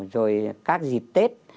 rồi các dịp tết